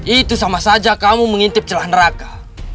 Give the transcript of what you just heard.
itu sama saja kamu mengintip celah neraka